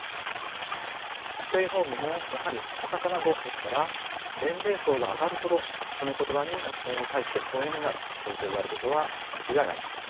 ステイホームもやはりカタカナ語ですから年齢層が上がるほどこの言葉に対して疎遠になる傾向があることは間違いありません。